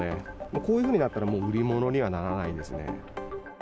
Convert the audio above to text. こういうふうになったら、もう売り物にはならないですね。